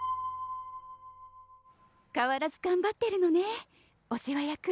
変わらず頑張ってるのねお世話役。